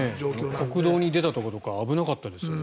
国道に出たところとか危なかったですよね。